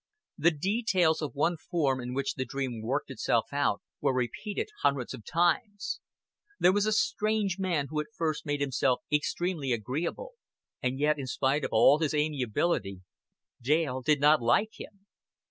The details of one form in which the dream worked itself out were repeated hundreds of times. There was a strange man who at first made himself extremely agreeable, and yet in spite of all his amiability Dale did not like him.